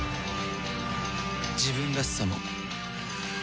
自分らしさも